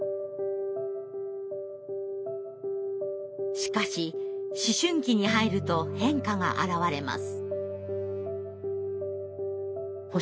しかし思春期に入ると変化が表れます。